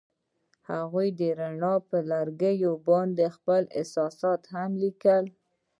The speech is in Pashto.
هغوی د رڼا پر لرګي باندې خپل احساسات هم لیکل.